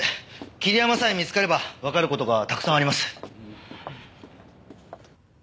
桐山さえ見つかればわかる事がたくさんあります。